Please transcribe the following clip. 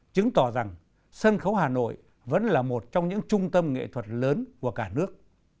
chứng tỏ rằng sân khấu hà nội vẫn là một trong những trung tâm nghệ thuật lớn của cả nước